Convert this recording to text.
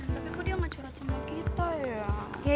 tapi kok dia gak curhat sama kita ya